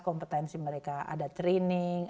kompetensi mereka ada training